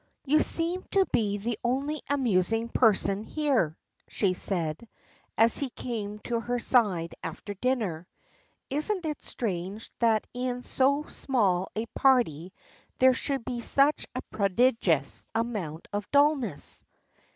"You seem to be the only amusing person here," she said, as he came to her side after dinner. "Isn't it strange that in so small a party there should be such a prodigious amount of dullness?"